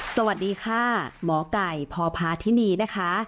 สวัสดีค่ะหมอไก่พพาธินีนะคะ